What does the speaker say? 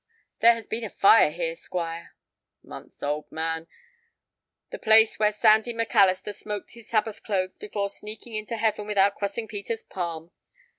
"There has been a fire here, Squire." "Months old, man; the place where Sandy Macalister smoked his Sabbath clothes before sneaking into heaven without crossing Peter's palm.